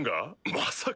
まさか。